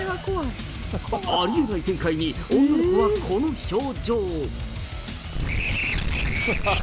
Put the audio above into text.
ありえない展開に、女の子はこの表情。